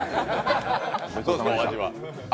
どうですか、お味は。